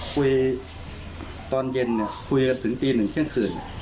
คุยตอนเย็นคุยกันถึงตีหนึ่งเที่ยงคืน